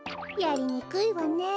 やりにくいわね。